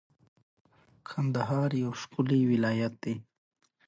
کلي د طبیعي پدیدو یو ښکلی رنګ دی.